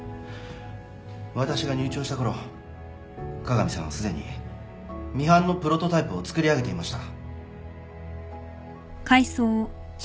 私が入庁したころ加賀美さんはすでにミハンのプロトタイプをつくり上げていました。